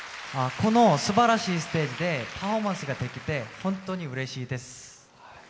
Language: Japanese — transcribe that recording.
このすばらしいステージでパフォーマンスができて、本当にうれしいです。